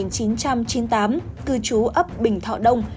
cư trú ấp bình thọ đông xã bình thọ đông